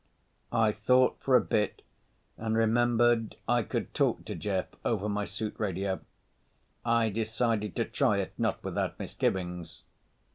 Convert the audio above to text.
I thought for a bit and remembered I could talk to Jeff over my suit radio. I decided to try it, not without misgivings.